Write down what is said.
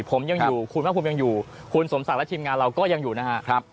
ผมยังอยู่คุณภาคภูมิยังอยู่คุณสมศักดิ์และทีมงานเราก็ยังอยู่นะครับ